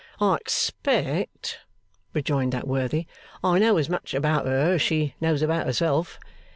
'I expect,' rejoined that worthy, 'I know as much about her as she knows about herself.